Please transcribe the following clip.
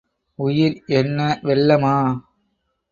உயிர் என்ன வெல்லமா?